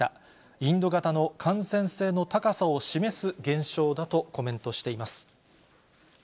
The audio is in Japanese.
インド型の感染性の高さを示す現象だとコメントしています。